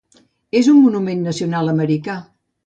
És un monument nacional americà.